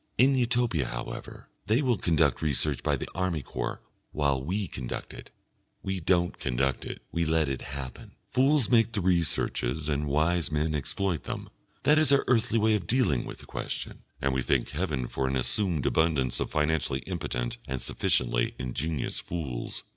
In Utopia, however, they will conduct research by the army corps while we conduct it we don't conduct it! We let it happen. Fools make researches and wise men exploit them that is our earthly way of dealing with the question, and we thank Heaven for an assumed abundance of financially impotent and sufficiently ingenious fools.